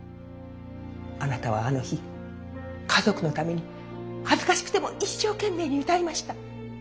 あなたはあの日家族のために恥ずかしくても一生懸命に歌いました。